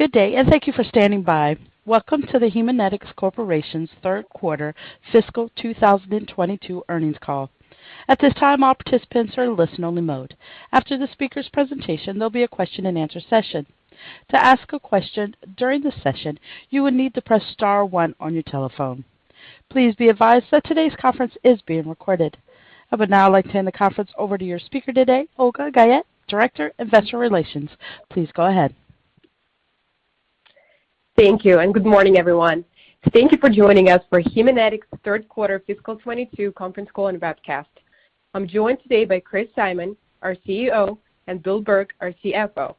Good day, and thank you for standing by. Welcome to the Haemonetics Corporation's Third Quarter Fiscal 2022 Earnings Call. At this time, all participants are in listen-only mode. After the speaker's presentation, there'll be a question-and-answer session. To ask a question during the session, you would need to press star one on your telephone. Please be advised that today's conference is being recorded. I would now like to hand the conference over to your speaker today, Olga Guyette, Director, Investor Relations. Please go ahead. Thank you, and good morning, everyone. Thank you for joining us for Haemonetics' third quarter fiscal 2022 conference call and broadcast. I'm joined today by Chris Simon, our CEO, and Bill Burke, our CFO.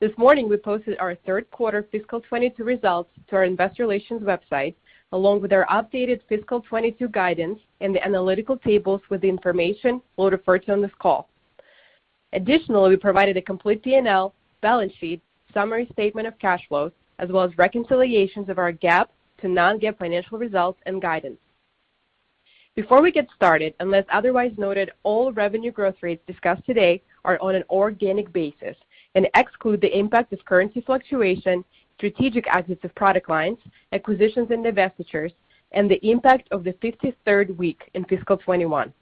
This morning, we posted our third quarter fiscal 2022 results to our Investor Relations website, along with our updated fiscal 2022 guidance and the analytical tables with the information we'll refer to on this call. Additionally, we provided a complete P&L, balance sheet, summary statement of cash flows, as well as reconciliations of our GAAP to non-GAAP financial results and guidance. Before we get started, unless otherwise noted, all revenue growth rates discussed today are on an organic basis and exclude the impact of currency fluctuation, strategic exits of product lines, acquisitions and divestitures, and the impact of the 53rd week in fiscal 2021.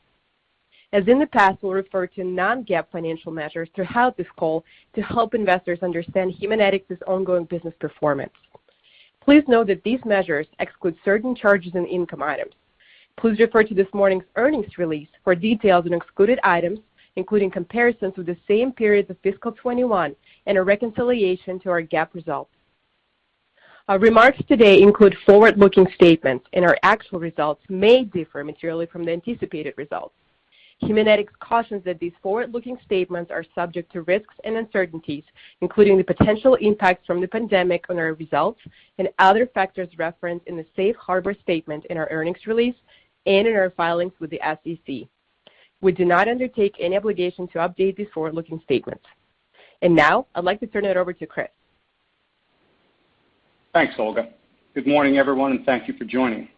As in the past, we'll refer to non-GAAP financial measures throughout this call to help investors understand Haemonetics' ongoing business performance. Please note that these measures exclude certain charges and income items. Please refer to this morning's earnings release for details on excluded items, including comparisons with the same period of fiscal 2021 and a reconciliation to our GAAP results. Our remarks today include forward-looking statements, and our actual results may differ materially from the anticipated results. Haemonetics cautions that these forward-looking statements are subject to risks and uncertainties, including the potential impacts from the pandemic on our results and other factors referenced in the Safe Harbor statement in our earnings release and in our filings with the SEC. We do not undertake any obligation to update these forward-looking statements. Now, I'd like to turn it over to Chris. Thanks, Olga. Good morning, everyone, and thank you for joining.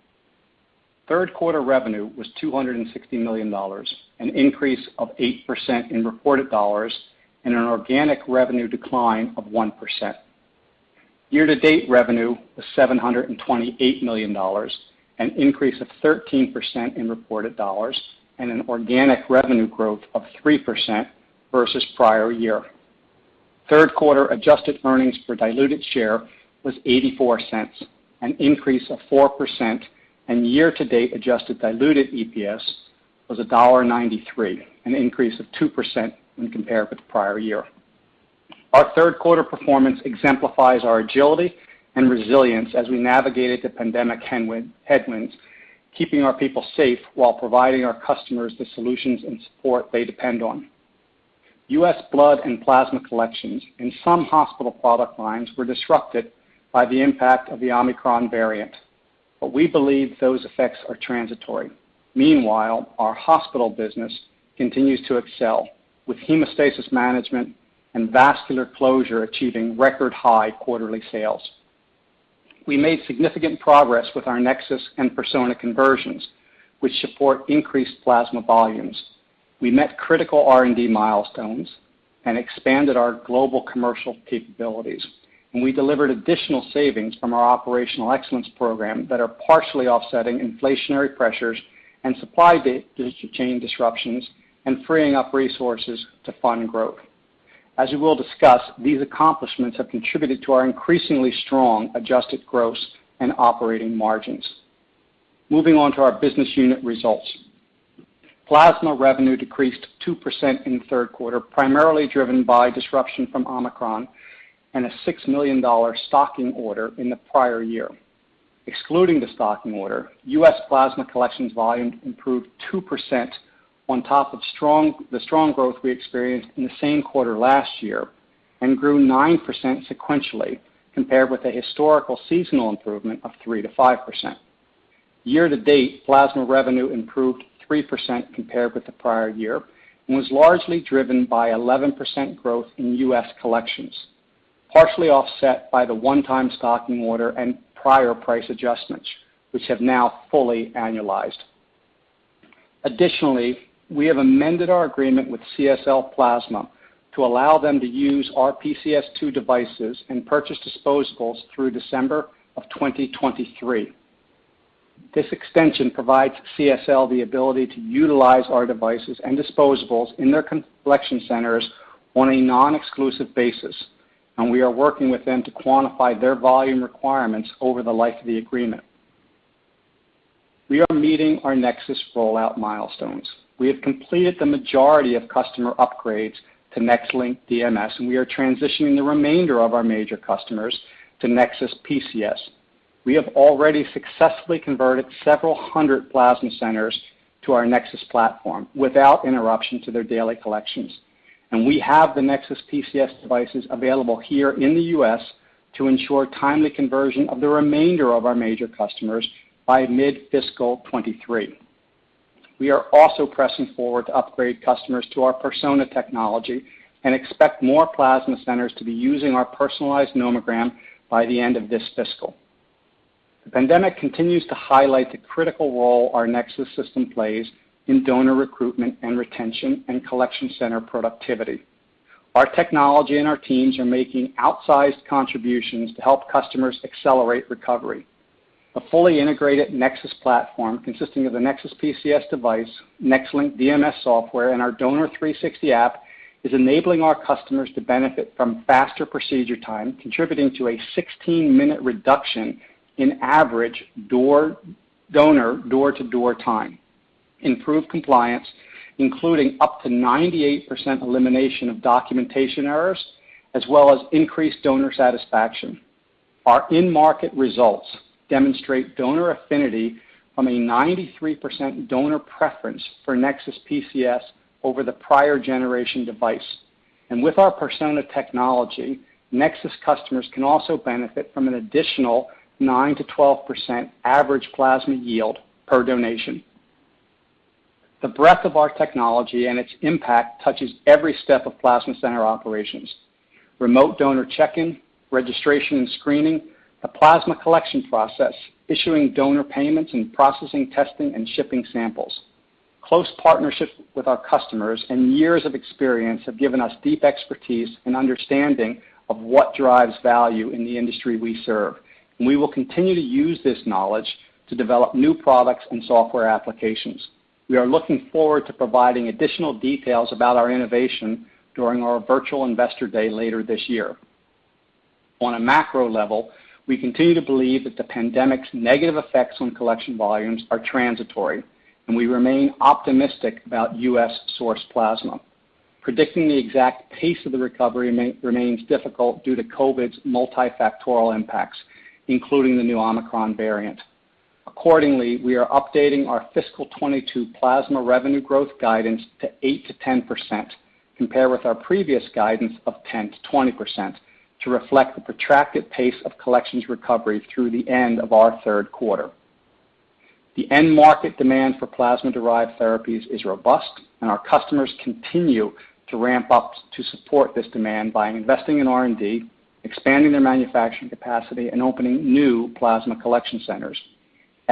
Third quarter revenue was $260 million, an increase of 8% in reported dollars and an organic revenue decline of 1%. Year-to-date revenue was $728 million, an increase of 13% in reported dollars and an organic revenue growth of 3% versus prior year. Third quarter adjusted earnings per diluted share was $0.84, an increase of 4%, and year-to-date adjusted diluted EPS was $1.93, an increase of 2% when compared with the prior year. Our third quarter performance exemplifies our agility and resilience as we navigated the pandemic headwinds, keeping our people safe while providing our customers the solutions and support they depend on. U.S. blood and plasma collections in some hospital product lines were disrupted by the impact of the Omicron variant, but we believe those effects are transitory. Meanwhile, our Hospital business continues to excel, with hemostasis management and vascular closure achieving record high quarterly sales. We made significant progress with our NexSys and Persona conversions, which support increased plasma volumes. We met critical R&D milestones and expanded our global commercial capabilities, and we delivered additional savings from our Operational Excellence Program that are partially offsetting inflationary pressures and supply chain disruptions and freeing up resources to fund growth. As we will discuss, these accomplishments have contributed to our increasingly strong adjusted gross and operating margins. Moving on to our business unit results. Plasma revenue decreased 2% in the third quarter, primarily driven by disruption from Omicron and a $6 million stocking order in the prior year. Excluding the stocking order, U.S. plasma collections volume improved 2% on top of strong growth we experienced in the same quarter last year and grew 9% sequentially compared with a historical seasonal improvement of 3%-5%. Year-to-date, Plasma revenue improved 3% compared with the prior year and was largely driven by 11% growth in U.S. collections, partially offset by the one-time stocking order and prior price adjustments, which have now fully annualized. Additionally, we have amended our agreement with CSL Plasma to allow them to use our PCS2 devices and purchase disposables through December 2023. This extension provides CSL the ability to utilize our devices and disposables in their collection centers on a non-exclusive basis, and we are working with them to quantify their volume requirements over the life of the agreement. We are meeting our NexSys rollout milestones. We have completed the majority of customer upgrades to NexLynk DMS, and we are transitioning the remainder of our major customers to NexSys PCS. We have already successfully converted several hundred plasma centers to our NexSys platform without interruption to their daily collections, and we have the NexSys PCS devices available here in the U.S. to ensure timely conversion of the remainder of our major customers by mid-fiscal 2023. We are also pressing forward to upgrade customers to our Persona technology and expect more plasma centers to be using our personalized nomogram by the end of this fiscal. The pandemic continues to highlight the critical role our NexSys system plays in donor recruitment and retention and collection center productivity. Our technology and our teams are making outsized contributions to help customers accelerate recovery. A fully integrated NexSys platform consisting of the NexSys PCS device, NexLynk DMS software, and our Donor360 app is enabling our customers to benefit from faster procedure time, contributing to a 16-minute reduction in average donor door-to-door time, improved compliance, including up to 98% elimination of documentation errors, as well as increased donor satisfaction. Our in-market results demonstrate donor affinity from a 93% donor preference for NexSys PCS over the prior generation device. With our Persona technology, NexSys customers can also benefit from an additional 9%-12% average plasma yield per donation. The breadth of our technology and its impact touches every step of plasma center operations, remote donor check-in, registration and screening, the plasma collection process, issuing donor payments, and processing, testing, and shipping samples. Close partnerships with our customers and years of experience have given us deep expertise and understanding of what drives value in the industry we serve. We will continue to use this knowledge to develop new products and software applications. We are looking forward to providing additional details about our innovation during our virtual Investor Day later this year. On a macro level, we continue to believe that the pandemic's negative effects on collection volumes are transitory, and we remain optimistic about U.S.-sourced plasma. Predicting the exact pace of the recovery remains difficult due to COVID's multifactorial impacts, including the new Omicron variant. Accordingly, we are updating our fiscal 2022 Plasma revenue growth guidance to 8%-10%, compared with our previous guidance of 10%-20%, to reflect the protracted pace of collections recovery through the end of our third quarter. The end market demand for plasma-derived therapies is robust, and our customers continue to ramp up to support this demand by investing in R&D, expanding their manufacturing capacity, and opening new plasma collection centers.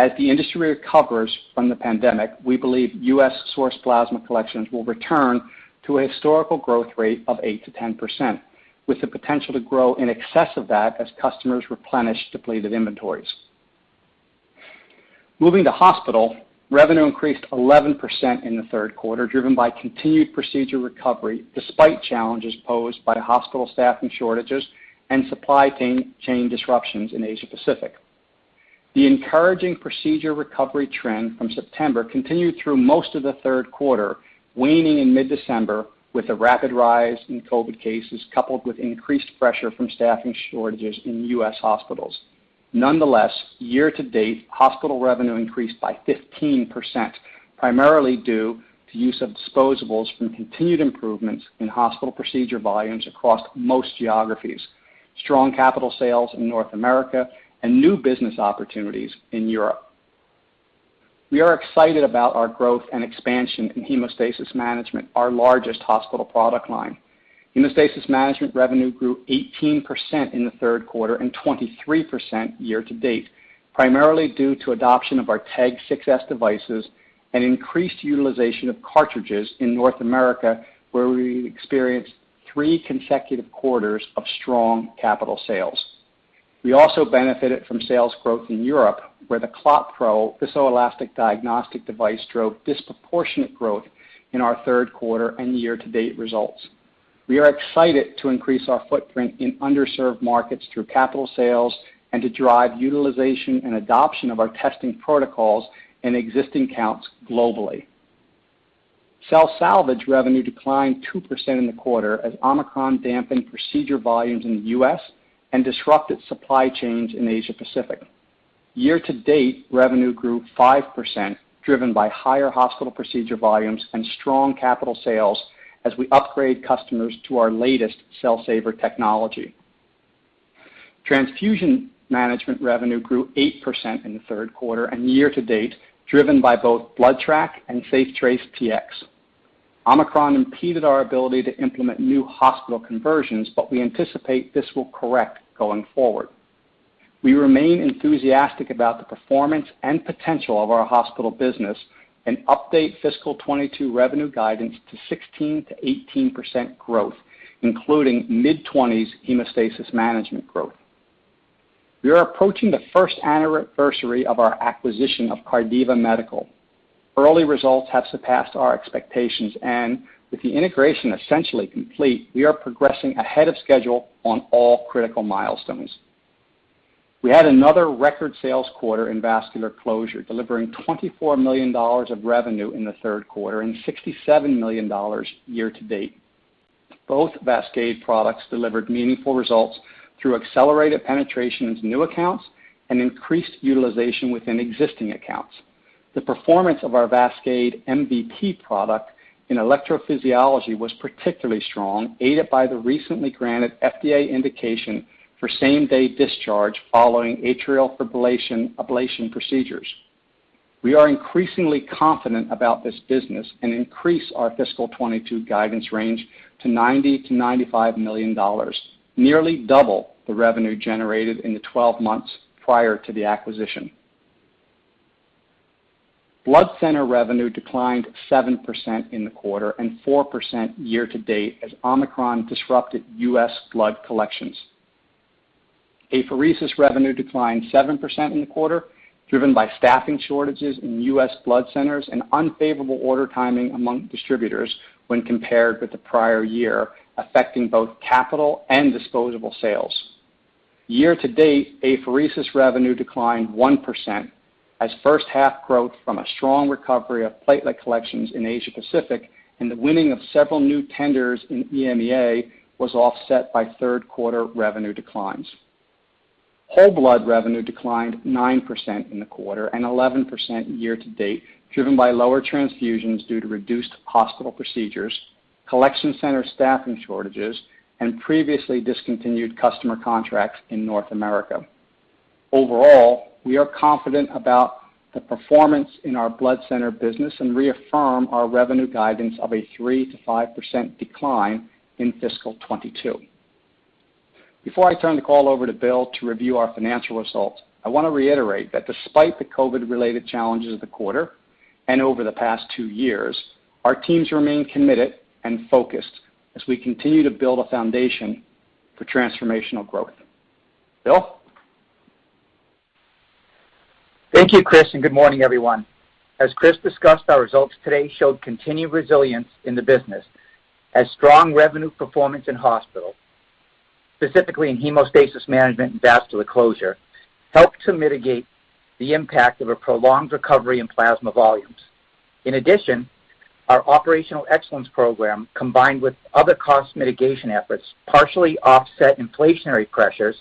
As the industry recovers from the pandemic, we believe U.S.-sourced plasma collections will return to a historical growth rate of 8%-10%, with the potential to grow in excess of that as customers replenish depleted inventories. Moving to Hospital, revenue increased 11% in the third quarter, driven by continued procedure recovery despite challenges posed by the hospital staffing shortages and supply chain disruptions in Asia Pacific. The encouraging procedure recovery trend from September continued through most of the third quarter, waning in mid-December with a rapid rise in COVID cases, coupled with increased pressure from staffing shortages in U.S. hospitals. Nonetheless, year-to-date, Hospital revenue increased by 15%, primarily due to use of disposables from continued improvements in hospital procedure volumes across most geographies, strong capital sales in North America, and new business opportunities in Europe. We are excited about our growth and expansion in hemostasis management, our largest Hospital product line. Hemostasis management revenue grew 18% in the third quarter and 23% year-to-date, primarily due to adoption of our TEG 6s devices and increased utilization of cartridges in North America, where we experienced three consecutive quarters of strong capital sales. We also benefited from sales growth in Europe, where the ClotPro viscoelastic diagnostic device drove disproportionate growth in our third quarter and year-to-date results. We are excited to increase our footprint in underserved markets through capital sales and to drive utilization and adoption of our testing protocols in existing accounts globally. Cell salvage revenue declined 2% in the quarter as Omicron dampened procedure volumes in the U.S. and disrupted supply chains in Asia Pacific. Year-to-date, revenue grew 5%, driven by higher hospital procedure volumes and strong capital sales as we upgrade customers to our latest Cell Saver technology. Transfusion management revenue grew 8% in the third quarter and year-to-date, driven by both BloodTrack and SafeTrace Tx. Omicron impeded our ability to implement new hospital conversions, but we anticipate this will correct going forward. We remain enthusiastic about the performance and potential of our Hospital business and update fiscal 2022 revenue guidance to 16%-18% growth, including mid-20s hemostasis management growth. We are approaching the first anniversary of our acquisition of Cardiva Medical. Early results have surpassed our expectations, and with the integration essentially complete, we are progressing ahead of schedule on all critical milestones. We had another record sales quarter in vascular closure, delivering $24 million of revenue in the third quarter and $67 million year-to-date. Both VASCADE products delivered meaningful results through accelerated penetration into new accounts and increased utilization within existing accounts. The performance of our VASCADE MVP product in electrophysiology was particularly strong, aided by the recently granted FDA indication for same-day discharge following atrial fibrillation ablation procedures. We are increasingly confident about this business and increase our fiscal 2022 guidance range to $90 million-$95 million, nearly double the revenue generated in the 12 months prior to the acquisition. Blood Center revenue declined 7% in the quarter and 4% year-to-date as Omicron disrupted U.S. blood collections. Apheresis revenue declined 7% in the quarter, driven by staffing shortages in U.S. blood centers and unfavorable order timing among distributors when compared with the prior year, affecting both capital and disposable sales. Year to date, apheresis revenue declined 1% as first half growth from a strong recovery of platelet collections in Asia-Pacific and the winning of several new tenders in EMEA was offset by third quarter revenue declines. Whole blood revenue declined 9% in the quarter and 11% year-to-date, driven by lower transfusions due to reduced hospital procedures, collection center staffing shortages, and previously discontinued customer contracts in North America. Overall, we are confident about the performance in our Blood Center business and reaffirm our revenue guidance of a 3%-5% decline in fiscal 2022. Before I turn the call over to Bill to review our financial results, I want to reiterate that despite the COVID-related challenges of the quarter and over the past two years, our teams remain committed and focused as we continue to build a foundation for transformational growth. Bill? Thank you, Chris, and good morning, everyone. As Chris discussed, our results today showed continued resilience in the business as strong revenue performance in Hospital, specifically in Hemostasis Management and Vascular Closure, helped to mitigate the impact of a prolonged recovery in Plasma volumes. In addition, our Operational Excellence Program, combined with other cost mitigation efforts, partially offset inflationary pressures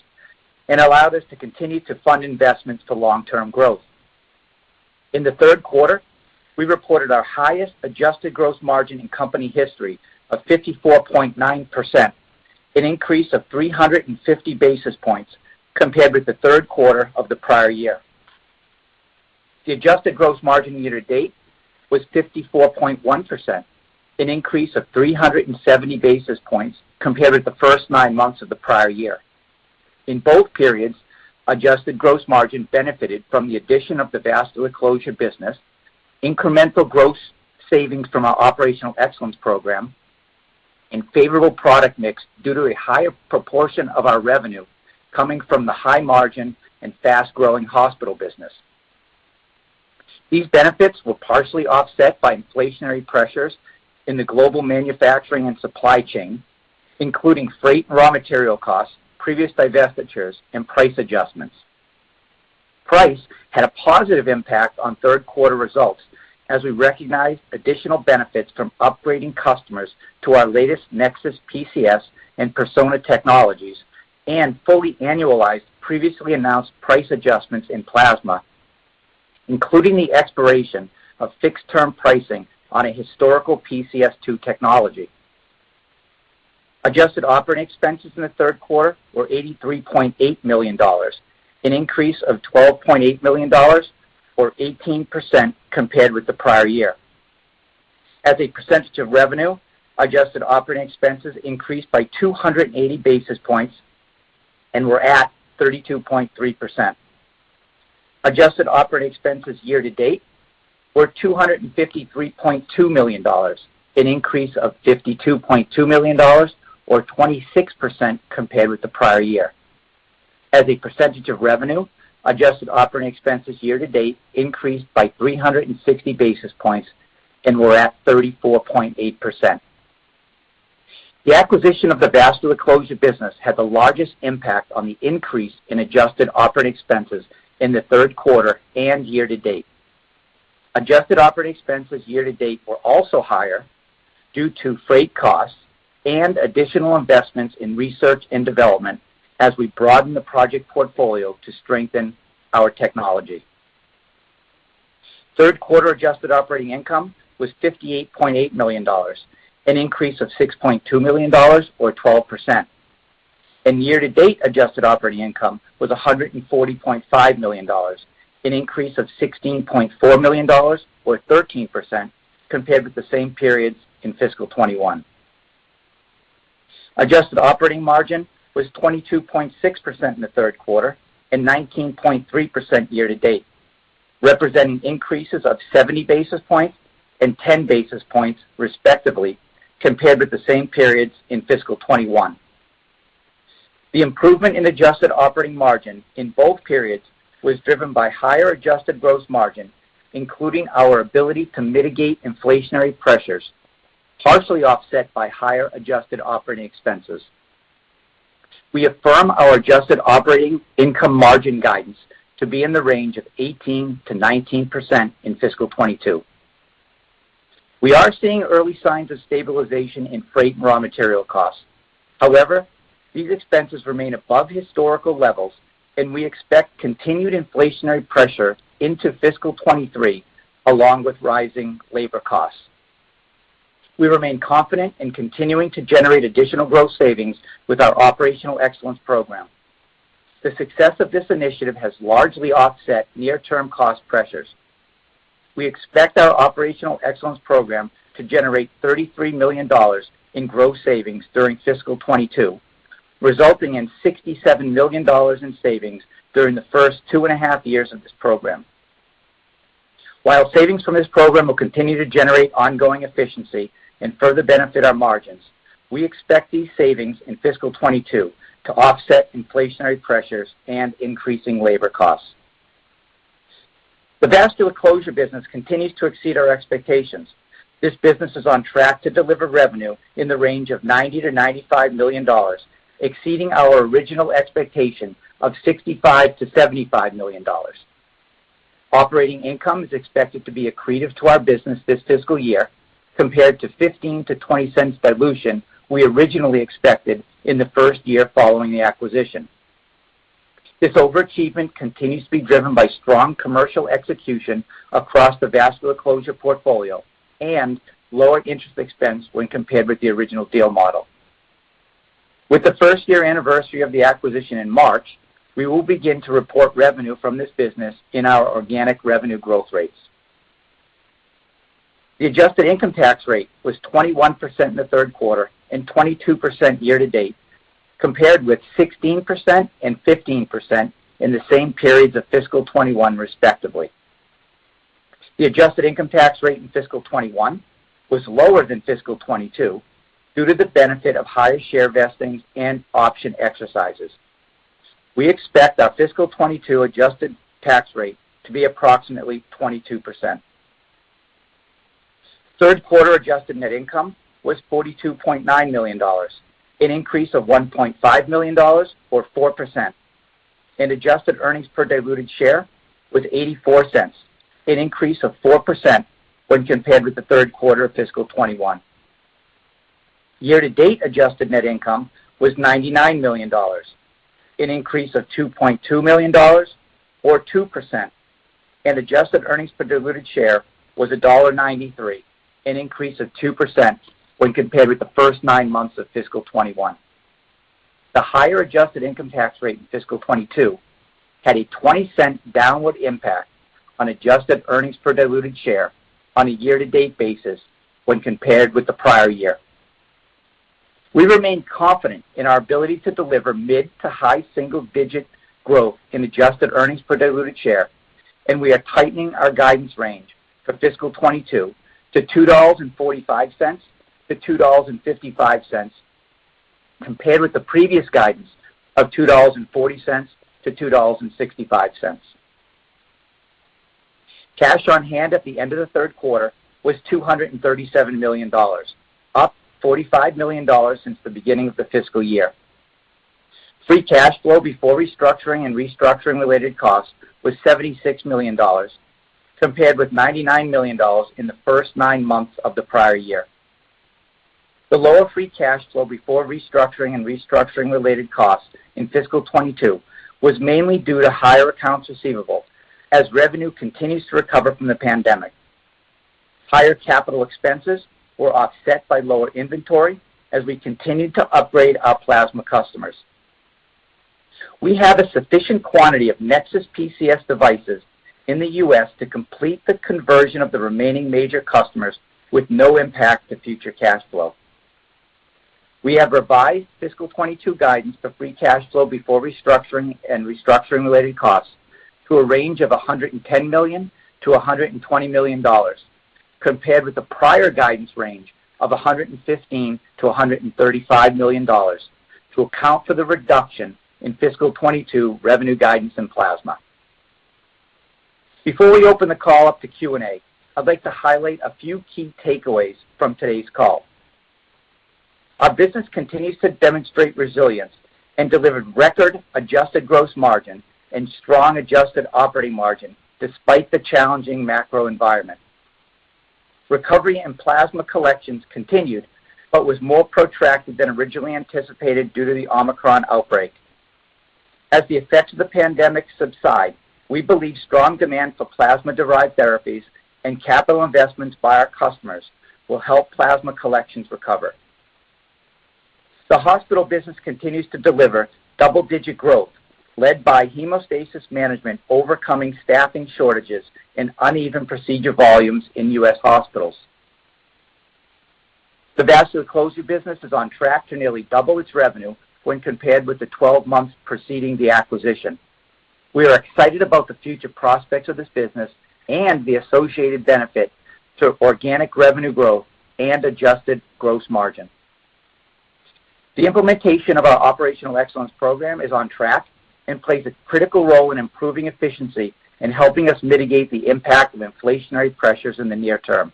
and allowed us to continue to fund investments for long-term growth. In the third quarter, we reported our highest adjusted gross margin in company history of 54.9%, an increase of 350 basis points compared with the third quarter of the prior year. The adjusted gross margin year to date was 54.1%, an increase of 370 basis points compared with the first nine months of the prior year. In both periods, adjusted gross margin benefited from the addition of the vascular closure business, incremental gross savings from our Operational Excellence Program, and favorable product mix due to a higher proportion of our revenue coming from the high margin and fast-growing Hospital business. These benefits were partially offset by inflationary pressures in the global manufacturing and supply chain, including freight and raw material costs, previous divestitures, and price adjustments. Price had a positive impact on third quarter results as we recognized additional benefits from upgrading customers to our latest NexSys PCS and Persona technologies and fully annualized previously announced price adjustments in Plasma, including the expiration of fixed-term pricing on a historical PCS2 technology. Adjusted operating expenses in the third quarter were $83.8 million, an increase of $12.8 million or 18% compared with the prior year. As a percentage of revenue, adjusted operating expenses increased by 280 basis points and were at 32.3%. Adjusted operating expenses year to date were $253.2 million, an increase of $52.2 million or 26% compared with the prior year. As a percentage of revenue, adjusted operating expenses year to date increased by 360 basis points and were at 34.8%. The acquisition of the Vascular Closure business had the largest impact on the increase in adjusted operating expenses in the third quarter and year to date. Adjusted operating expenses year to date were also higher due to freight costs and additional investments in research and development as we broaden the project portfolio to strengthen our technology. Third quarter adjusted operating income was $58.8 million, an increase of $6.2 million or 12%. Year-to-date adjusted operating income was $140.5 million, an increase of $16.4 million or 13% compared with the same periods in fiscal 2021. Adjusted operating margin was 22.6% in the third quarter and 19.3% year to date, representing increases of 70 basis points and 10 basis points, respectively, compared with the same periods in fiscal 2021. The improvement in adjusted operating margin in both periods was driven by higher adjusted gross margin, including our ability to mitigate inflationary pressures, partially offset by higher adjusted operating expenses. We affirm our adjusted operating income margin guidance to be in the range of 18%-19% in fiscal 2022. We are seeing early signs of stabilization in freight and raw material costs. However, these expenses remain above historical levels, and we expect continued inflationary pressure into fiscal 2023 along with rising labor costs. We remain confident in continuing to generate additional growth savings with our Operational Excellence Program. The success of this initiative has largely offset near-term cost pressures. We expect our Operational Excellence Program to generate $33 million in gross savings during fiscal 2022, resulting in $67 million in savings during the first two and a half years of this program. While savings from this program will continue to generate ongoing efficiency and further benefit our margins, we expect these savings in fiscal 2022 to offset inflationary pressures and increasing labor costs. The Vascular Closure business continues to exceed our expectations. This business is on track to deliver revenue in the range of $90 million-$95 million, exceeding our original expectation of $65 million-$75 million. Operating income is expected to be accretive to our business this fiscal year compared to $0.15-$0.20 dilution we originally expected in the first year following the acquisition. This overachievement continues to be driven by strong commercial execution across the Vascular Closure portfolio and lower interest expense when compared with the original deal model. With the first year anniversary of the acquisition in March, we will begin to report revenue from this business in our organic revenue growth rates. The adjusted income tax rate was 21% in the third quarter and 22% year-to-date, compared with 16% and 15% in the same periods of fiscal 2021, respectively. The adjusted income tax rate in fiscal 2021 was lower than fiscal 2022 due to the benefit of higher share vesting and option exercises. We expect our fiscal 2022 adjusted tax rate to be approximately 22%. Third quarter adjusted net income was $42.9 million, an increase of $1.5 million or 4%. Adjusted earnings per diluted share was $0.84, an increase of 4% when compared with the third quarter of fiscal 2021. Year-to-date adjusted net income was $99 million, an increase of $2.2 million or 2%. Adjusted earnings per diluted share was $1.93, an increase of 2% when compared with the first nine months of fiscal 2021. The higher adjusted income tax rate in fiscal 2022 had a $0.20 downward impact on adjusted earnings per diluted share on a year-to-date basis when compared with the prior year. We remain confident in our ability to deliver mid- to high single-digit growth in adjusted earnings per diluted share, and we are tightening our guidance range for fiscal 2022 to $2.45-$2.55, compared with the previous guidance of $2.40-$2.65. Cash on hand at the end of the third quarter was $237 million, up $45 million since the beginning of the fiscal year. Free cash flow before restructuring and restructuring-related costs was $76 million, compared with $99 million in the first nine months of the prior year. The lower free cash flow before restructuring and restructuring-related costs in fiscal 2022 was mainly due to higher accounts receivable as revenue continues to recover from the pandemic. Higher capital expenses were offset by lower inventory as we continued to upgrade our Plasma customers. We have a sufficient quantity of NexSys PCS devices in the U.S. to complete the conversion of the remaining major customers with no impact to future cash flow. We have revised fiscal 2022 guidance for free cash flow before restructuring and restructuring-related costs to a range of $110 million-$120 million, compared with the prior guidance range of $115 million-$135 million to account for the reduction in fiscal 2022 revenue guidance in Plasma. Before we open the call up to Q&A, I'd like to highlight a few key takeaways from today's call. Our business continues to demonstrate resilience and delivered record adjusted gross margin and strong adjusted operating margin despite the challenging macro environment. Recovery in plasma collections continued, but was more protracted than originally anticipated due to the Omicron outbreak. As the effects of the pandemic subside, we believe strong demand for plasma-derived therapies and capital investments by our customers will help plasma collections recover. The Hospital business continues to deliver double-digit growth led by hemostasis management overcoming staffing shortages and uneven procedure volumes in U.S. hospitals. The Vascular Closure business is on track to nearly double its revenue when compared with the 12 months preceding the acquisition. We are excited about the future prospects of this business and the associated benefit to organic revenue growth and adjusted gross margin. The implementation of our Operational Excellence Program is on track and plays a critical role in improving efficiency and helping us mitigate the impact of inflationary pressures in the near term.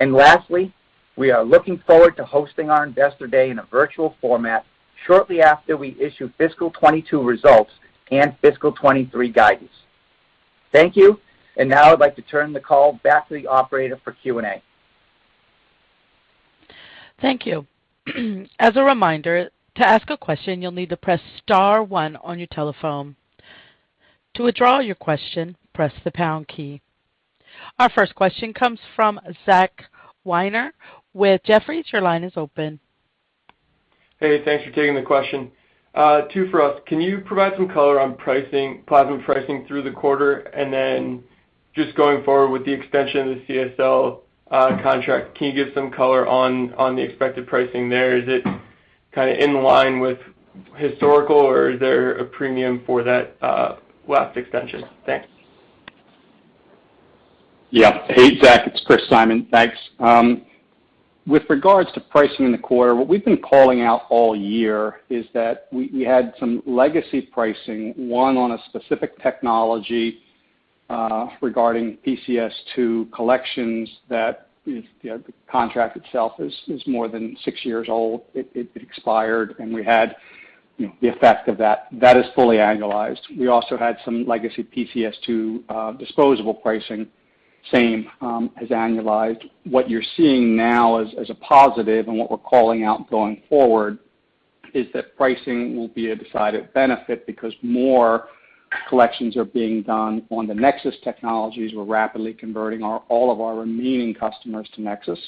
Lastly, we are looking forward to hosting our Investor Day in a virtual format shortly after we issue fiscal 2022 results and fiscal 2023 guidance. Thank you. Now I'd like to turn the call back to the operator for Q&A. Thank you. As a reminder, to ask a question, you'll need to press star one on your telephone. To withdraw your question, press the pound key. Our first question comes from Zach Weiner with Jefferies. Your line is open. Hey, thanks for taking the question. Two for us. Can you provide some color on pricing, Plasma pricing through the quarter? Then just going forward with the extension of the CSL contract, can you give some color on the expected pricing there? Is it kinda in line with historical, or is there a premium for that last extension? Thanks. Yeah. Hey, Zach, it's Chris Simon, thanks. With regards to pricing in the quarter, what we've been calling out all year is that we had some legacy pricing, one on a specific technology, regarding PCS2 collections that is, you know, the contract itself is more than six years old. It expired, and we had, you know, the effect of that. That is fully annualized. We also had some legacy PCS2 disposable pricing, same as annualized. What you're seeing now as a positive, and what we're calling out going forward, is that pricing will be a decided benefit because more collections are being done on the NexSys technologies. We're rapidly converting all of our remaining customers to NexSys,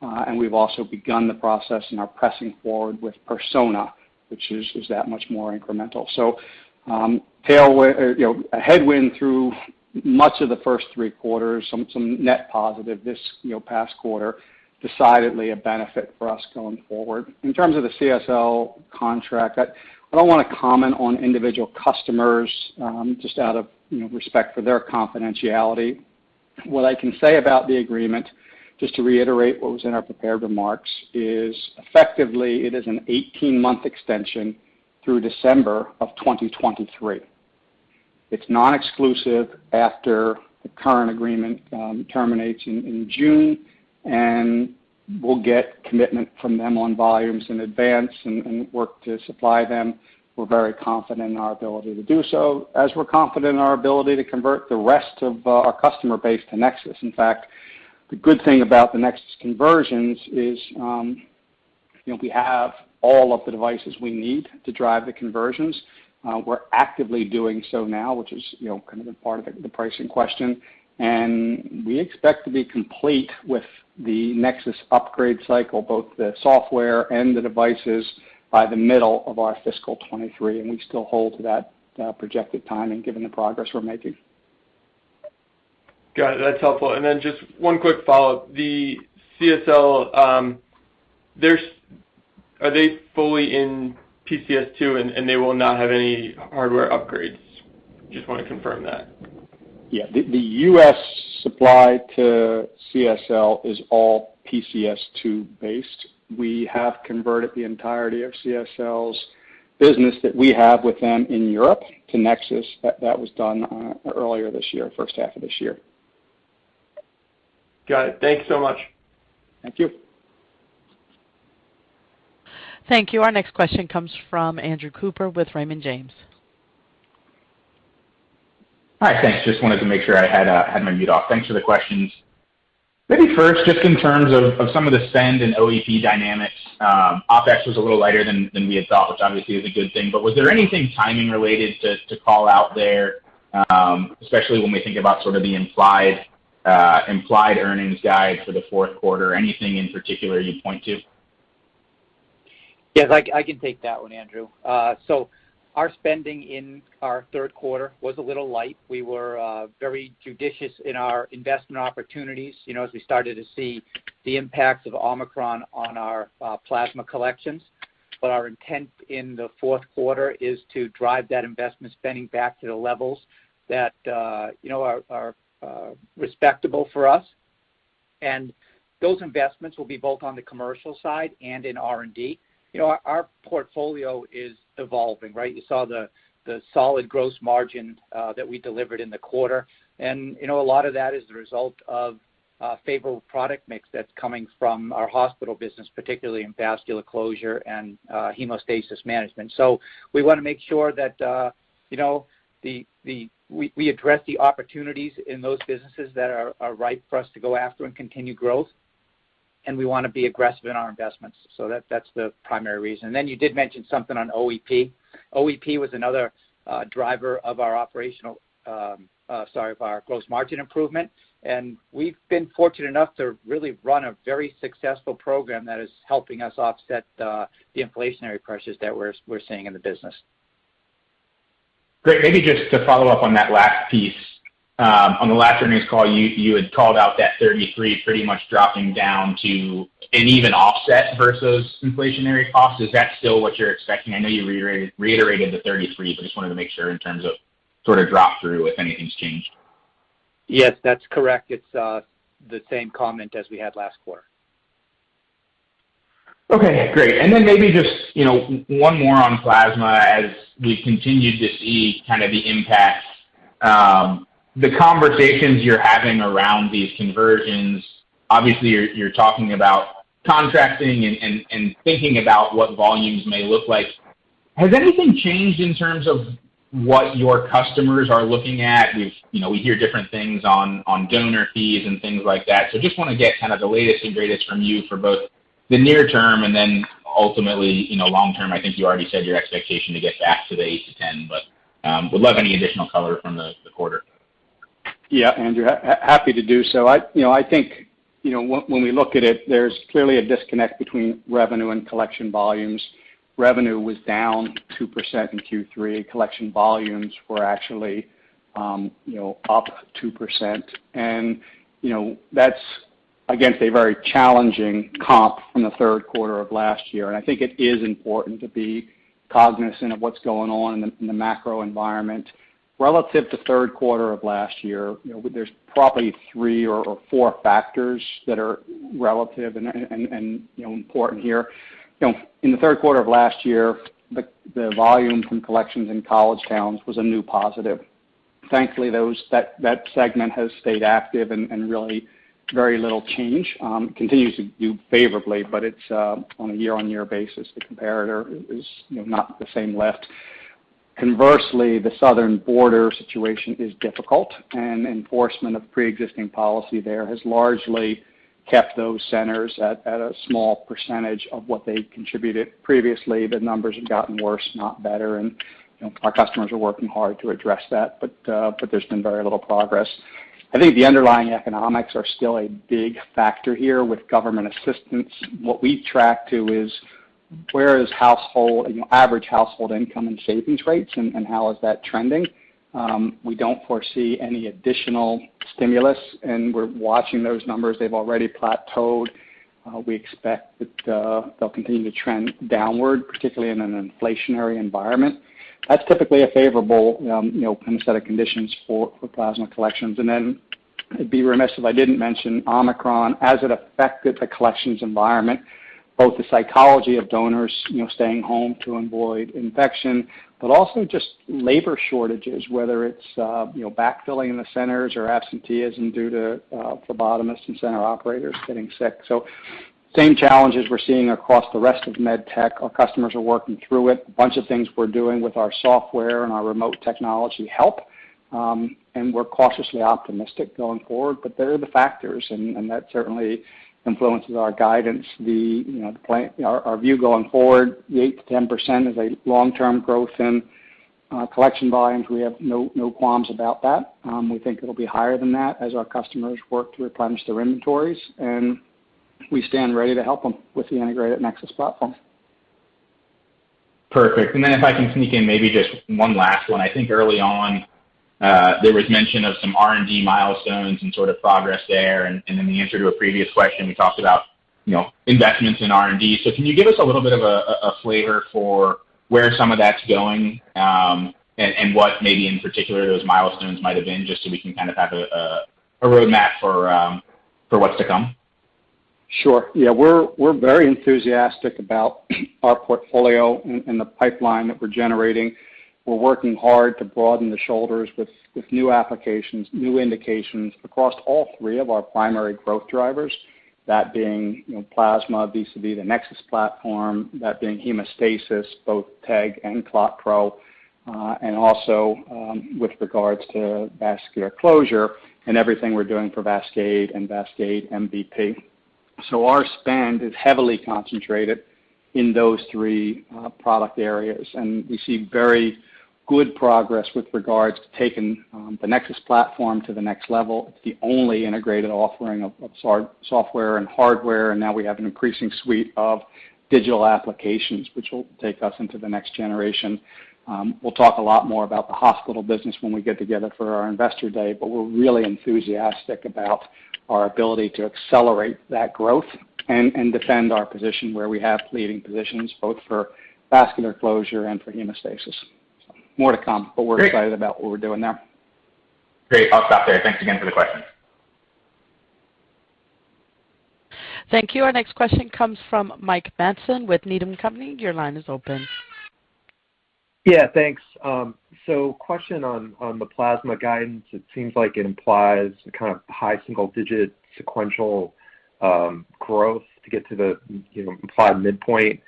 and we've also begun the process and are pressing forward with Persona, which is that much more incremental. A headwind through much of the first three quarters, some net positive this past quarter, decidedly a benefit for us going forward. In terms of the CSL contract, I don't wanna comment on individual customers, just out of respect for their confidentiality. What I can say about the agreement, just to reiterate what was in our prepared remarks, is effectively it is an 18-month extension through December 2023. It's non-exclusive after the current agreement terminates in June, and we'll get commitment from them on volumes in advance and work to supply them. We're very confident in our ability to do so, as we're confident in our ability to convert the rest of our customer base to NexSys. In fact, the good thing about the NexSys conversions is, you know, we have all of the devices we need to drive the conversions. We're actively doing so now, which is, you know, kind of a part of the pricing question. We expect to be complete with the NexSys upgrade cycle, both the software and the devices, by the middle of our fiscal 2023, and we still hold to that projected timing given the progress we're making. Got it. That's helpful. Just one quick follow-up. The CSL, are they fully in PCS2 and they will not have any hardware upgrades? Just wanna confirm that. Yeah. The U.S. Supply to CSL is all PCS2 based. We have converted the entirety of CSL's business that we have with them in Europe to NexSys. That was done earlier this year, first half of this year. Got it. Thank you so much. Thank you. Thank you. Our next question comes from Andrew Cooper with Raymond James. Hi, thanks. Just wanted to make sure I had my mute off. Thanks for the questions. Maybe first, just in terms of some of the spend and OEP dynamics, OpEx was a little lighter than we had thought, which obviously is a good thing. Was there anything timing related to call out there, especially when we think about sort of the implied earnings guide for the fourth quarter? Anything in particular you'd point to? Yes, I can take that one, Andrew. So our spending in our third quarter was a little light. We were very judicious in our investment opportunities, you know, as we started to see the impacts of Omicron on our plasma collections. Our intent in the fourth quarter is to drive that investment spending back to the levels that you know are respectable for us. Those investments will be both on the commercial side and in R&D. You know, our portfolio is evolving, right? You saw the solid gross margin that we delivered in the quarter. You know, a lot of that is the result of a favorable product mix that's coming from our Hospital business, particularly in vascular closure and hemostasis management. We wanna make sure that we address the opportunities in those businesses that are right for us to go after and continue growth, and we wanna be aggressive in our investments. That's the primary reason. You did mention something on OEP. OEP was another driver of our gross margin improvement. We've been fortunate enough to really run a very successful program that is helping us offset the inflationary pressures that we're seeing in the business. Great. Maybe just to follow up on that last piece. On the last earnings call, you had called out that 33 pretty much dropping down to an even offset versus inflationary costs. Is that still what you're expecting? I know you reiterated the 33, but just wanted to make sure in terms of sorta drop through if anything's changed. Yes, that's correct. It's the same comment as we had last quarter. Okay, great. Then maybe just, you know, one more on Plasma as we've continued to see kinda the impact. The conversations you're having around these conversions, obviously you're talking about contracting and thinking about what volumes may look like. Has anything changed in terms of what your customers are looking at? You know, we hear different things on donor fees and things like that. Just wanna get kind of the latest and greatest from you for both the near term and then ultimately, you know, long term, I think you already said your expectation to get back to the 8%-10%, but would love any additional color from the quarter. Yeah, Andrew. Happy to do so. I you know I think you know when we look at it there's clearly a disconnect between revenue and collection volumes. Revenue was down 2% in Q3. Collection volumes were actually you know up 2%. You know that's against a very challenging comp from the third quarter of last year. I think it is important to be cognizant of what's going on in the macro environment. Relative to third quarter of last year you know there's probably three or four factors that are relative and you know important here. You know in the third quarter of last year the volume from collections in college towns was a new positive. Thankfully, that segment has stayed active and really very little change continues to do favorably, but it's on a year-on-year basis, the comparator is, you know, not the same lift. Conversely, the southern border situation is difficult, and enforcement of preexisting policy there has largely kept those centers at a small percentage of what they contributed previously. The numbers have gotten worse, not better. You know, our customers are working hard to address that, but there's been very little progress. I think the underlying economics are still a big factor here with government assistance. What we track to is where is household, you know, average household income and savings rates and how is that trending. We don't foresee any additional stimulus, and we're watching those numbers. They've already plateaued. We expect that they'll continue to trend downward, particularly in an inflationary environment. That's typically a favorable, you know, kind of set of conditions for plasma collections. Then I'd be remiss if I didn't mention Omicron as it affected the collections environment, both the psychology of donors, you know, staying home to avoid infection, but also just labor shortages, whether it's, you know, backfilling the centers or absenteeism due to phlebotomists and center operators getting sick. Same challenges we're seeing across the rest of med tech. Our customers are working through it. A bunch of things we're doing with our software and our remote technology help, and we're cautiously optimistic going forward. They're the factors and that certainly influences our guidance. Our view going forward, the 8%-10% is a long-term growth in collection volumes. We have no qualms about that. We think it'll be higher than that as our customers work to replenish their inventories, and we stand ready to help them with the integrated NexSys platform. Perfect. If I can sneak in maybe just one last one. I think early on, there was mention of some R&D milestones and sort of progress there. In the answer to a previous question, you talked about, you know, investments in R&D. Can you give us a little bit of a flavor for where some of that's going, and what maybe in particular those milestones might have been, just so we can kind of have a roadmap for what's to come? Sure. Yeah. We're very enthusiastic about our portfolio and the pipeline that we're generating. We're working hard to broaden the shoulders with new applications, new indications across all three of our primary growth drivers, that being, you know, Plasma, VCD, the NexSys platform, that being Hemostasis, both TEG and ClotPro, and also, with regards to vascular closure and everything we're doing for VASCADE and VASCADE MVP. Our spend is heavily concentrated in those three product areas, and we see very good progress with regards to taking the NexSys platform to the next level. It's the only integrated offering of software and hardware, and now we have an increasing suite of digital applications, which will take us into the next generation. We'll talk a lot more about the Hospital business when we get together for our investor day, but we're really enthusiastic about our ability to accelerate that growth and defend our position where we have leading positions, both for Vascular Closure and for Hemostasis. More to come. Great. We're excited about what we're doing there. Great. I'll stop there. Thanks again for the question. Thank you. Our next question comes from Mike Matson with Needham & Company. Your line is open. Yeah, thanks. Question on the Plasma guidance. It seems like it implies a kind of high single-digit sequential growth to get to the implied midpoint.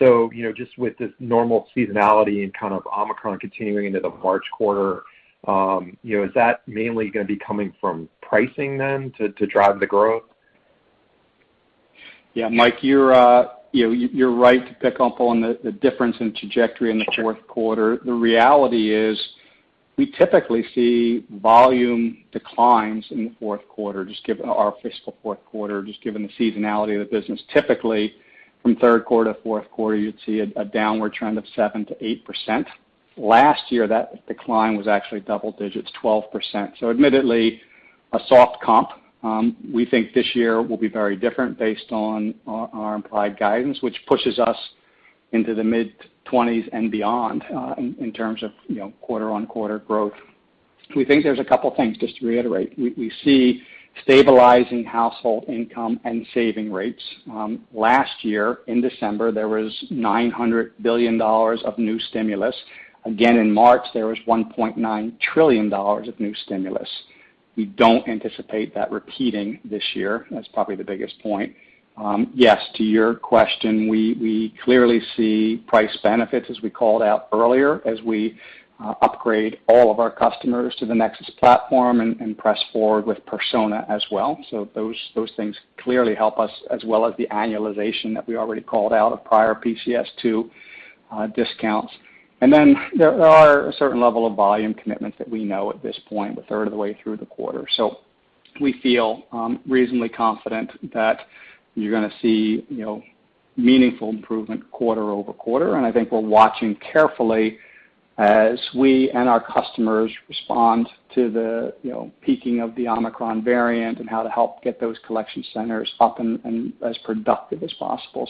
You know, just with this normal seasonality and kind of Omicron continuing into the March quarter, you know, is that mainly gonna be coming from pricing then to drive the growth? Yeah, Mike, you're right to pick up on the difference in trajectory in the fourth quarter. The reality is we typically see volume declines in the fourth quarter, just given our fiscal fourth quarter, just given the seasonality of the business. Typically, from third quarter to fourth quarter, you'd see a downward trend of 7%-8%. Last year, that decline was actually double digits, 12%. Admittedly a soft comp. We think this year will be very different based on our implied guidance, which pushes us into the mid-20s and beyond in terms of quarter-on-quarter growth. We think there's a couple things, just to reiterate. We see stabilizing household income and saving rates. Last year in December, there was $900 billion of new stimulus. Again, in March, there was $1.9 trillion of new stimulus. We don't anticipate that repeating this year. That's probably the biggest point. Yes, to your question, we clearly see price benefits as we called out earlier as we upgrade all of our customers to the NexSys platform and press forward with Persona as well. Those things clearly help us as well as the annualization that we already called out of prior PCS2 discounts. Then there are a certain level of volume commitments that we know at this point, we're a third of the way through the quarter. We feel reasonably confident that you're gonna see, you know, meaningful improvement quarter-over-quarter. I think we're watching carefully as we and our customers respond to the, you know, peaking of the Omicron variant and how to help get those collection centers up and as productive as possible.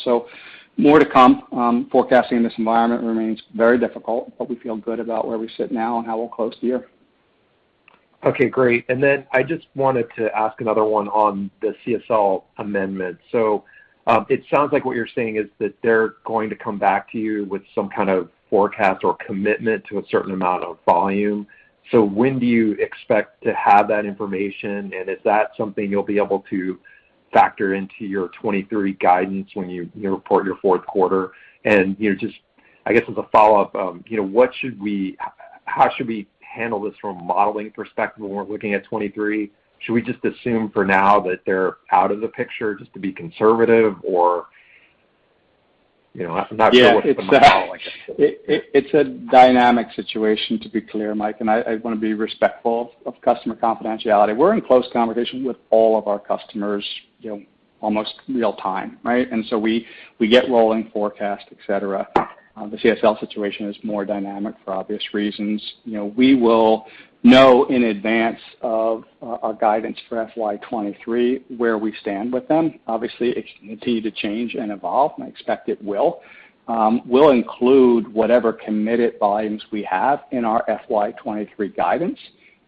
More to come. Forecasting this environment remains very difficult, but we feel good about where we sit now and how we'll close the year. Okay, great. Then I just wanted to ask another one on the CSL amendment. So, it sounds like what you're saying is that they're going to come back to you with some kind of forecast or commitment to a certain amount of volume. So when do you expect to have that information? And is that something you'll be able to factor into your 2023 guidance when you report your fourth quarter? You know, just I guess as a follow-up, you know, how should we handle this from a modeling perspective when we're looking at 2023? Should we just assume for now that they're out of the picture just to be conservative or, you know, I'm not sure what's the model, I guess. It's a dynamic situation, to be clear, Mike, and I wanna be respectful of customer confidentiality. We're in close conversation with all of our customers, you know, almost real time, right? So we get rolling forecast, et cetera. The CSL situation is more dynamic for obvious reasons. You know, we will know in advance of our guidance for FY 2023 where we stand with them. Obviously, it can continue to change and evolve, and I expect it will. We'll include whatever committed volumes we have in our FY 2023 guidance.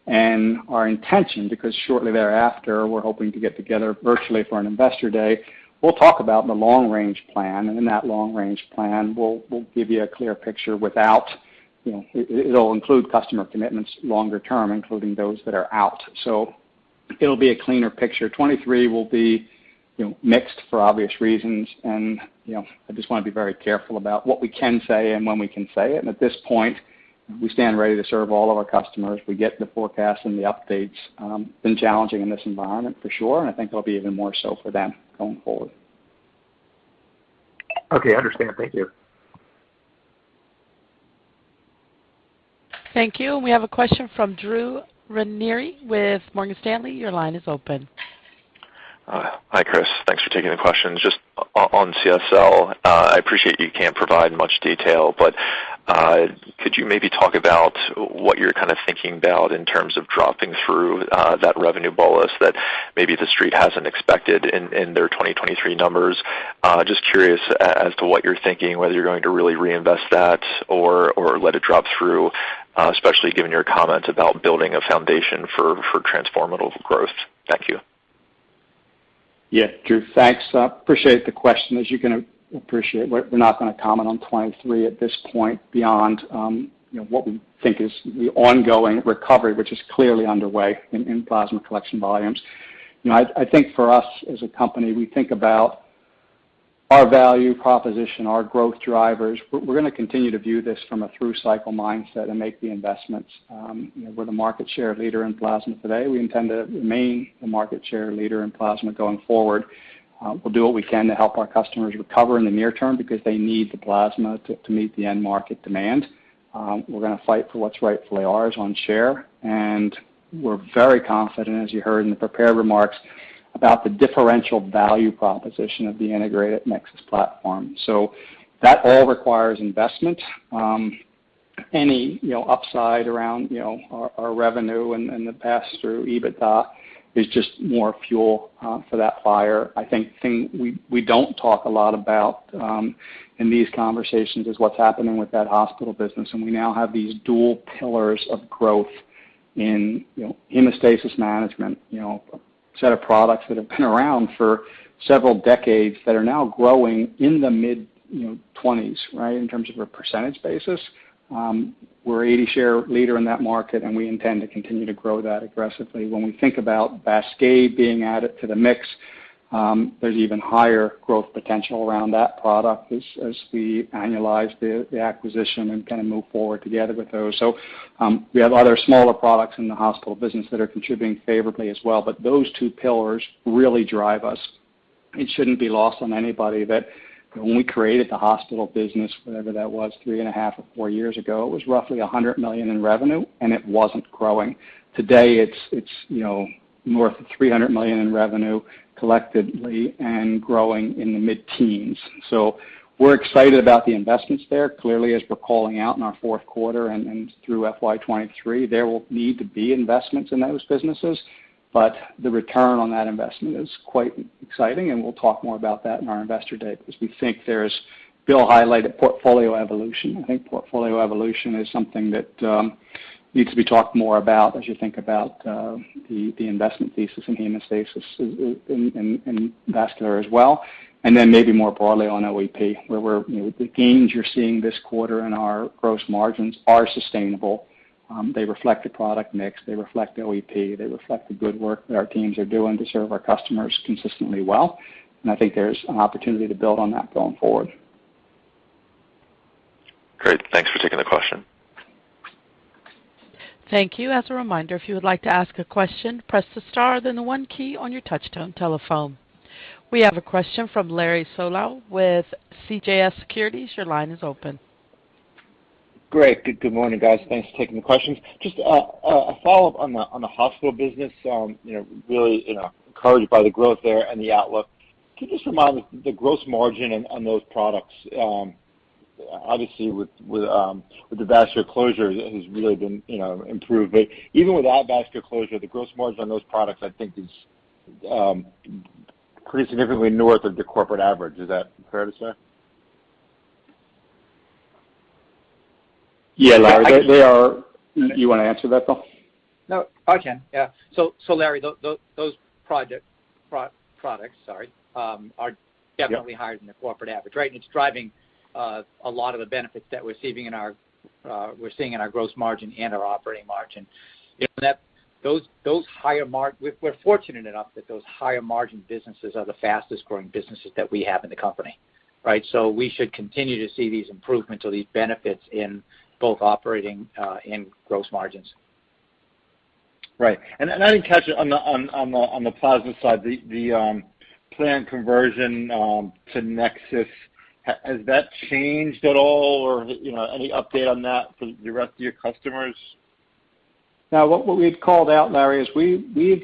Our intention, because shortly thereafter, we're hoping to get together virtually for an Investor Day, we'll talk about the long range plan. In that long range plan, we'll give you a clear picture without, you know, it'll include customer commitments longer term, including those that are out. It'll be a cleaner picture. 2023 will be, you know, mixed for obvious reasons. You know, I just want to be very careful about what we can say and when we can say it. At this point, we stand ready to serve all of our customers. We get the forecast and the updates been challenging in this environment for sure, and I think it'll be even more so for them going forward. Okay, I understand. Thank you. Thank you. We have a question from Drew Ranieri with Morgan Stanley. Your line is open. Hi, Chris. Thanks for taking the question. Just on CSL, I appreciate you can't provide much detail, but could you maybe talk about what you're kind of thinking about in terms of dropping through that revenue bolus that maybe the street hasn't expected in their 2023 numbers? Just curious as to what you're thinking, whether you're going to really reinvest that or let it drop through, especially given your comments about building a foundation for transformative growth. Thank you. Yeah, Drew, thanks. Appreciate the question. As you're gonna appreciate, we're not gonna comment on 2023 at this point beyond, you know, what we think is the ongoing recovery, which is clearly underway in plasma collection volumes. You know, I think for us as a company, we think about our value proposition, our growth drivers. We're gonna continue to view this from a through cycle mindset and make the investments. You know, we're the market share leader in Plasma today. We intend to remain the market share leader in Plasma going forward. We'll do what we can to help our customers recover in the near term because they need the Plasma to meet the end market demand. We're gonna fight for what's rightfully ours on share, and we're very confident, as you heard in the prepared remarks, about the differential value proposition of the integrated NexSys platform. That all requires investment. Any upside around our revenue and the pass through EBITDA is just more fuel for that fire. I think the thing we don't talk a lot about in these conversations is what's happening with that Hospital business, and we now have these dual pillars of growth in hemostasis management, a set of products that have been around for several decades that are now growing in the mid-20s, right, in terms of a percentage basis. We're 80% share leader in that market, and we intend to continue to grow that aggressively. When we think about VASCADE being added to the mix, there's even higher growth potential around that product as we annualize the acquisition and kind of move forward together with those. We have other smaller products in the Hospital business that are contributing favorably as well, but those two pillars really drive us. It shouldn't be lost on anybody that when we created the Hospital business, whatever that was, 3.5 or 4 years ago, it was roughly $100 million in revenue, and it wasn't growing. Today, it's you know, more than $300 million in revenue collectively and growing in the mid-teens. We're excited about the investments there. Clearly, as we're calling out in our fourth quarter and through FY 2023, there will need to be investments in those businesses, but the return on that investment is quite exciting, and we'll talk more about that in our investor day because we think there's, Bill highlighted portfolio evolution. I think portfolio evolution is something that needs to be talked more about as you think about the investment thesis in hemostasis, and vascular as well. Then maybe more broadly on OEP, where we're, you know, the gains you're seeing this quarter in our gross margins are sustainable. They reflect the product mix, they reflect the OEP, they reflect the good work that our teams are doing to serve our customers consistently well. I think there's an opportunity to build on that going forward. Great. Thanks for taking the question. Thank you. We have a question from Larry Solow with CJS Securities. Your line is open. Great. Good morning, guys. Thanks for taking the questions. Just a follow-up on the Hospital business. You know, really, you know, encouraged by the growth there and the outlook. Can you just remind the gross margin on those products? Obviously with the vascular closure has really been, you know, improved. But even without vascular closure, the gross margin on those products, I think is pretty significantly north of the corporate average. Is that fair to say? Yeah, Larry, they are. You wanna answer that, Bill? No, I can. Yeah. Larry, those products, sorry, are definitely higher than the corporate average, right? It's driving a lot of the benefits that we're seeing in our gross margin and our operating margin. You know, those higher margin businesses are the fastest growing businesses that we have in the company, right? We should continue to see these improvements or these benefits in both operating and gross margins. Right. I didn't catch on the Plasma side, the planned conversion to NexSys. Has that changed at all or, you know, any update on that for the rest of your customers? Now, what we had called out, Larry, is we've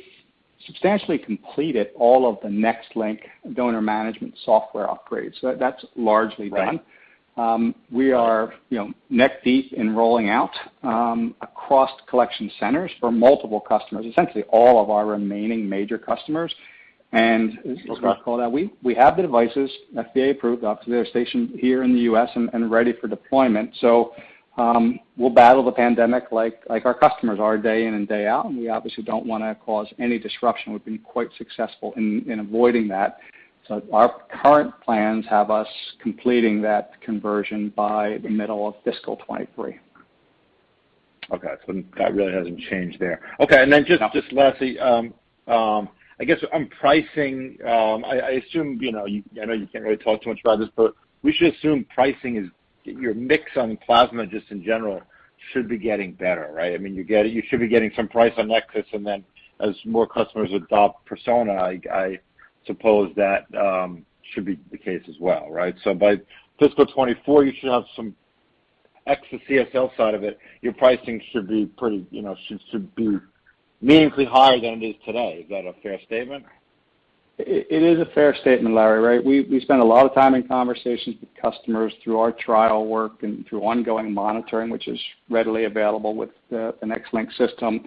substantially completed all of the NexLynk donor management software upgrades. That's largely done. Right. We are, you know, neck deep in rolling out across collection centers for multiple customers, essentially all of our remaining major customers. As called out, we have the devices, FDA approved, obviously they're stationed here in the U.S. and ready for deployment. We'll battle the pandemic like our customers are day in and day out, and we obviously don't wanna cause any disruption. We've been quite successful in avoiding that. Our current plans have us completing that conversion by the middle of fiscal 2023. Okay. That really hasn't changed there. Okay. No. Just lastly, I guess on pricing, I assume, you know, I know you can't really talk too much about this, but we should assume pricing is your mix on Plasma just in general should be getting better, right? I mean, you get it, you should be getting some price on NexSys and then as more customers adopt Persona, I suppose that should be the case as well, right? By fiscal 2024, you should have some extra CSL side of it. Your pricing should be pretty, you know, should be meaningfully higher than it is today. Is that a fair statement? It is a fair statement, Larry. Right? We spend a lot of time in conversations with customers through our trial work and through ongoing monitoring, which is readily available with the NexLynk system.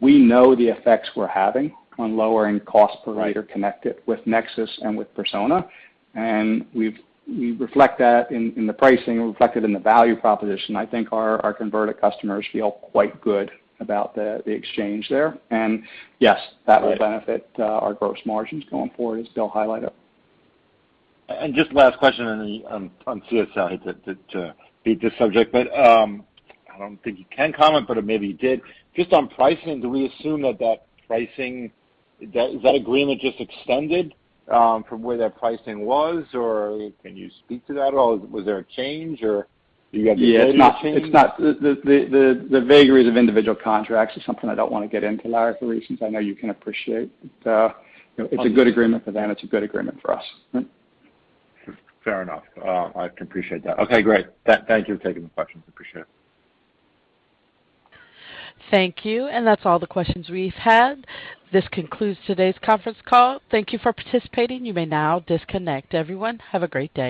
We know the effects we're having on lowering cost per liter connected with NexSys and with Persona. We reflect that in the pricing, we reflect it in the value proposition. I think our converted customers feel quite good about the exchange there. Yes, that will benefit our gross margins going forward, as Bill highlighted. Just last question on CSL to beat this subject, but I don't think you can comment, but maybe you did. Just on pricing, do we assume that pricing is that agreement just extended from where that pricing was? Or can you speak to that at all? Was there a change or you guys made any change? Yeah, it's not the vagaries of individual contracts is something I don't wanna get into, Larry, for reasons I know you can appreciate. You know, it's a good agreement for them, it's a good agreement for us. Fair enough. I can appreciate that. Okay, great. Thank you for taking the questions. Appreciate it. Thank you. That's all the questions we've had. This concludes today's conference call. Thank you for participating. You may now disconnect. Everyone, have a great day.